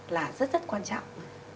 là rất rất quan trọng